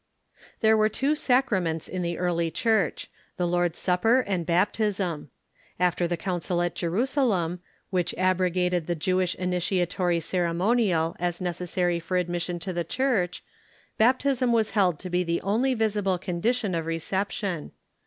There were two sacraments in the early Church — the Lord's Supper and Baptism. After the council at Jerusalem, which abrogated the Jewish initiatory ceremonial as neces sary for admission to the Church, baptism was held to be the only visible condition of reception.